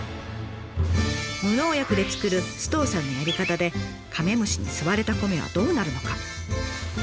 無農薬で作る首藤さんのやり方でカメムシに吸われた米はどうなるのか？